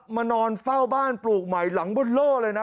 นอนเฝ้าบ้านปลูกใหม่หลังบนโล่เลยนะ